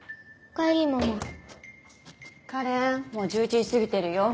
花恋もう１１時過ぎてるよ。